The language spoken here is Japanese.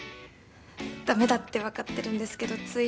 駄目だってわかってるんですけどつい。